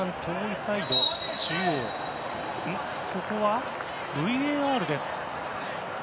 ここでＶＡＲです。